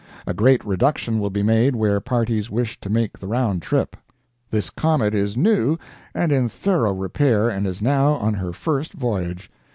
A great reduction will be made where parties wish to make the round trip. This comet is new and in thorough repair and is now on her first voyage.